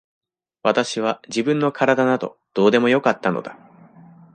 私は自分の体などどうでもよかったのだ。